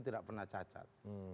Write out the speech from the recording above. tidak pernah cacat